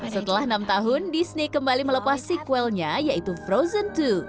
setelah enam tahun disney kembali melepas sequelnya yaitu frozen dua